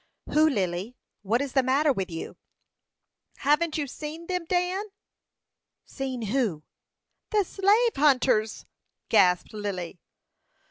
"Who, Lily? What is the matter with you?" "Haven't you seen them, Dan?" "Seen whom?" "The slave hunters!" gasped Lily.